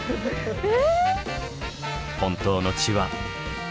え！